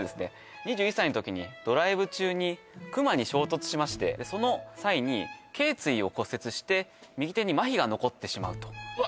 ２１歳の時にドライブ中に熊に衝突しましてその際にけい椎を骨折して右手にマヒが残ってしまうとうわっ！